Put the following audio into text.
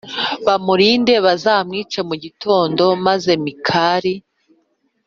bamurinde bazamwice mu gitondo Maze Mikali